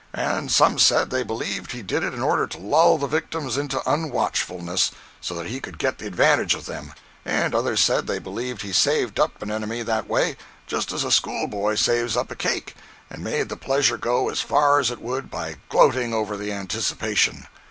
And some said they believed he did it in order to lull the victims into unwatchfulness, so that he could get the advantage of them, and others said they believed he saved up an enemy that way, just as a schoolboy saves up a cake, and made the pleasure go as far as it would by gloating over the anticipation.